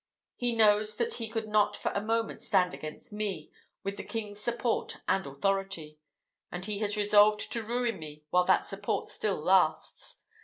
He knows that he could not for a moment stand against me, without the king's support and authority; and he has resolved to ruin me while that support still lasts.